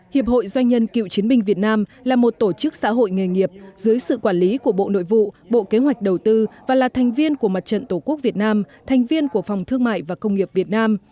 hiệp hội doanh nhân cựu chiến binh việt nam là một tổ chức xã hội nghề nghiệp dưới sự quản lý của bộ nội vụ bộ kế hoạch đầu tư và là thành viên của mặt trận tổ quốc việt nam thành viên của phòng thương mại và công nghiệp việt nam